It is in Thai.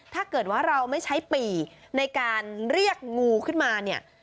ถ้าเกิดว่าเราไม่ใช้ปี่ในการเรียกงูขึ้นมาเนี่ย